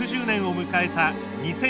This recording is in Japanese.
６０年を迎えた